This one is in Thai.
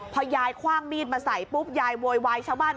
พอยายคว่างมีดมาใส่ปุ๊บยายโวยวายชาวบ้าน